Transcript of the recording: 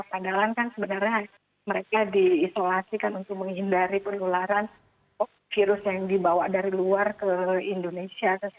padahal kan sebenarnya mereka diisolasikan untuk menghindari penularan virus yang dibawa dari luar ke indonesia